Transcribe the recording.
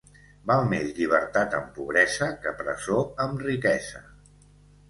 Val més llibertat amb pobresa que presó amb riquesa.